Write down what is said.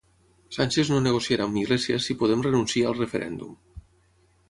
Sánchez no negociarà amb Iglesias si Podem renuncia al referèndum.